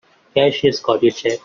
Cashier's got your check.